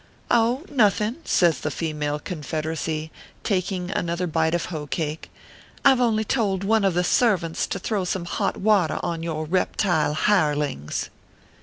" 0, nothing," says the female Confederacy, taking another bite of hoe cake, " I ve only told one of the servants to throw some hot water on your reptile hirelings."